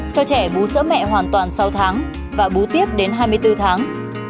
cho trẻ bú mẹ hoàn toàn sáu tháng và bú tiếp đến hai mươi bốn tháng